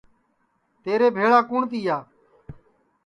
تیرے بھیݪا کُوٹؔ تِیا